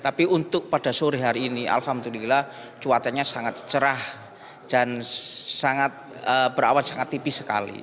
tapi untuk pada sore hari ini alhamdulillah cuacanya sangat cerah dan berawan sangat tipis sekali